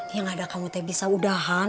ya gak ada kamu teh bisa udahan